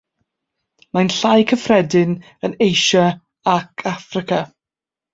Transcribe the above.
Mae'n llai cyffredin yn Asia ac Affrica.